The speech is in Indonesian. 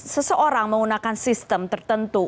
seseorang menggunakan sistem tertentu